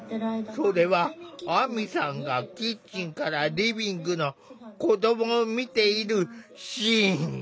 それは亜美さんがキッチンからリビングの子どもを見ているシーン。